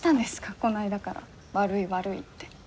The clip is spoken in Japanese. こないだから悪い悪いって。